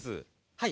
はい。